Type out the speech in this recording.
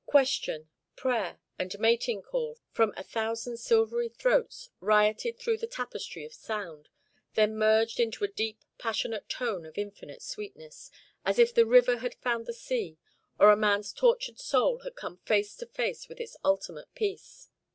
Question, prayer, and mating call, from a thousand silvery throats, rioted through the tapestry of sound, then merged into a deep, passionate tone of infinite sweetness, as if the river had found the sea, or a man's tortured soul had come face to face with its ultimate peace.